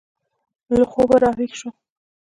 له خوبه را ویښ شول.